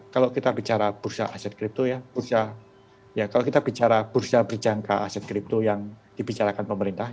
kalau kita bicara bursa aset kripto ya bursa berjangka aset kripto yang dibicarakan pemerintah